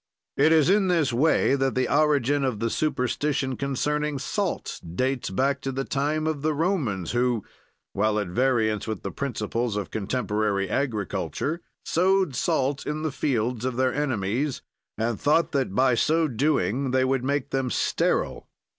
It is in this way that the origin of the superstition concerning salt dates back to the time of the Romans, who (while at variance with the principles of contemporary agriculture) sowed salt in the fields of their enemies and thought that by so doing they would make them sterile.